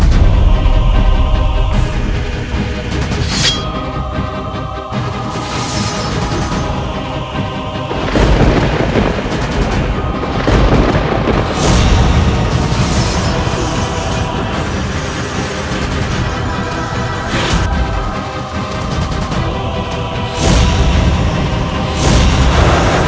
bagaimana kadang kalau aku menerima